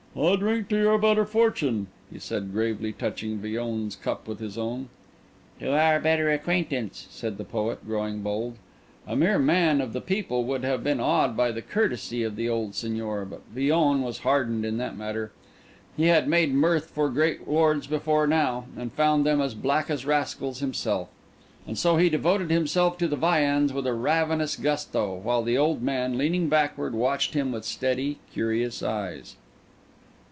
"I drink to your better fortune," he said, gravely touching Villon's cup with his own. "To our better acquaintance," said the poet, growing bold. A mere man of the people would have been awed by the courtesy of the old seigneur, but Villon was hardened in that matter; he had made mirth for great lords before now, and found them as black rascals as himself. And so he devoted himself to the viands with a ravenous gusto, while the old man, leaning backward, watched him with steady, curious eyes.